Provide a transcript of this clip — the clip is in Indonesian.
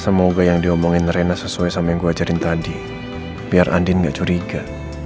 semoga yang diomongin rena sesuai sama yang gua ajarin tadi biar andi enggak curiga